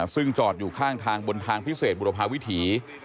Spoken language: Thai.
ซึ่งจอดอยู่ข้างทางบนทางพิเศษบุรพาวิถี